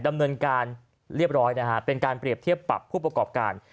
ดำเนินการเรียบร้อยนะฮะเป็นการเปรียบเทียบปรับผู้ประกอบการ